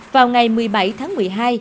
vào ngày một mươi bảy tháng một mươi hai